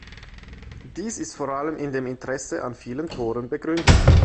Dies ist vor allem in dem Interesse an vielen Toren begründet.